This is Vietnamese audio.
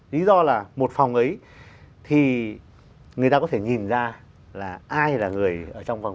lý do là một phòng ấy thì người ta có thể nhìn ra là ai là người ở trong phòng